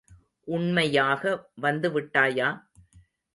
உண்மையாக வந்து விட்டாயா?